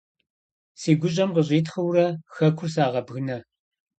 Си гущӏэм къыщӏитхъыурэ хэкур сагъэбгынэ.